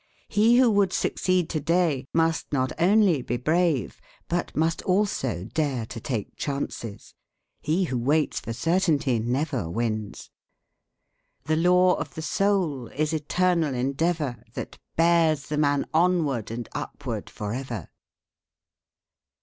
He who would succeed to day must not only be brave, but must also dare to take chances. He who waits for certainty never wins. "The law of the soul is eternal endeavor, That bears the man onward and upward forever."